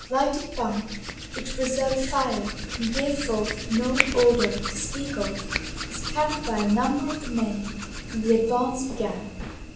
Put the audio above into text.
Lighted punk, which preserved fire and gave forth no odor to speak of, was carried by a number of the men, and the advance began.